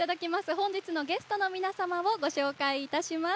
本日のゲストの皆様をご紹介いたします。